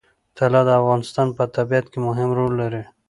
طلا د افغانستان په طبیعت کې مهم رول لري.